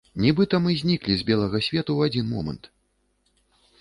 Нібыта мы зніклі з белага свету ў адзін момант!